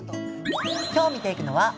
今日見ていくのは目標